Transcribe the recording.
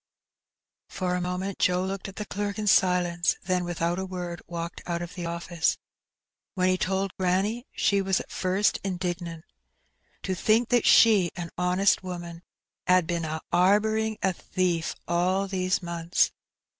For a moment Joe looked at the clerk in silence, then, without a word, walked out of the office. When he told granny, she was at first indignant. '^To think that she, a honest woman, 'ad been a 'arbouring a thief all these months